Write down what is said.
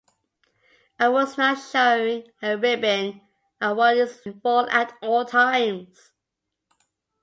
Awards not showing a ribbon are worn in full at all times.